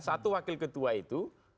satu wakil ketua itu